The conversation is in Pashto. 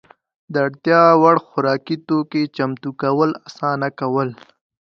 د اړتیا وړ خوراکي توکو چمتو کول اسانه کول.